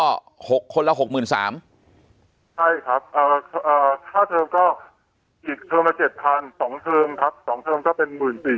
ใช่ครับอ่าค่าเทอมก็อีกเทอมละ๗๐๐๐๒เทอมครับ๒เทอมก็เป็น๑๔๐๐๐